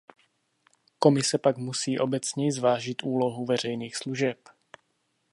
Komise pak musí obecněji zvážit úlohu veřejných služeb.